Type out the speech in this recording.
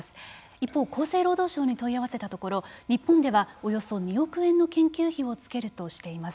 一方、厚生労働省に問い合わせたところ日本ではおよそ２億円の研究費をつけるとしています。